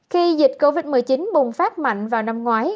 khi dịch covid một mươi chín bùng phát mạnh vào năm ngoái